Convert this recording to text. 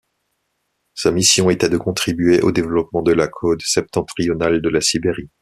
Sa mission était de contribuer au développement de la côte septentrionale de la Sibérie.